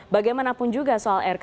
bagaimanapun juga soal rkp